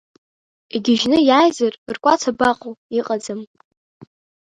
Игьежьны иааизар, ркәац абаҟоу иҟаӡам.